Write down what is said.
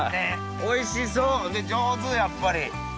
おいしそうで上手やっぱり。